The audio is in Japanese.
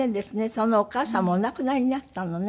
そのお母様お亡くなりになったのね。